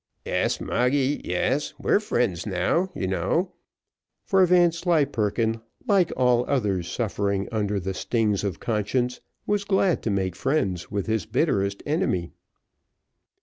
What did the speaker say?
"Yes, Moggy, yes we're friends now, you know;" for Vanslyperken, like all others suffering under the stings of conscience, was glad to make friends with his bitterest enemy.